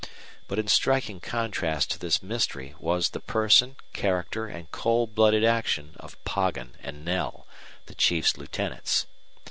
But in striking contrast to this mystery was the person, character, and cold blooded action of Poggin and Knell, the chief's lieutenants.